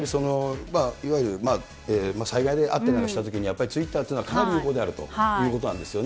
いわゆる災害があったりしたとき、やっぱりツイッターというのは、かなり有効であるということなんですよね。